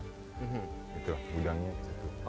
gitu gudangnya di situ